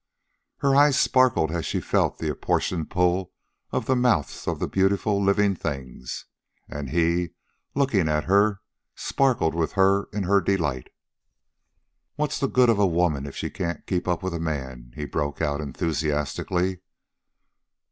Her eyes sparkled as she felt the apportioned pull of the mouths of the beautiful, live things; and he, looking at her, sparkled with her in her delight. "What's the good of a woman if she can't keep up with a man?" he broke out enthusiastically.